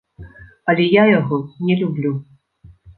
Але я яго не люблю.